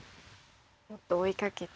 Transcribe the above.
もっと追いかけて。